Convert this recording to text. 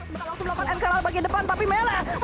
bakal langsung melakukan nkl bagian depan tapi mele